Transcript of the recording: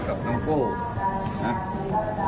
กับน้องโก้นะครับ